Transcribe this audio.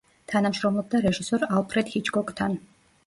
თანამშრომლობდა რეჟისორ ალფრედ ჰიჩკოკთან.